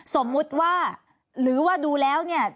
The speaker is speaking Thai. สมมุติว่าหรือว่าดูแล้วเนี่ย